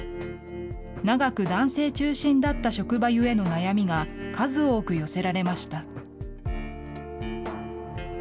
長く男性中心だった職場ゆえの悩みが数多く寄せられました。